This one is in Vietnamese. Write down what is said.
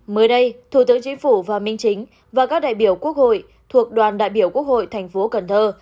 mới đây thủ tướng chính phủ và minh chính và các đại biểu quốc hội thuộc đoàn đại biểu quốc hội thành phố cần thơ